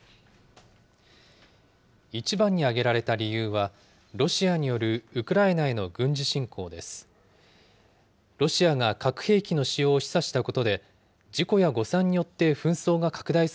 一番に挙げられた理由は、ロシアによるウクライナへの軍事侵攻です。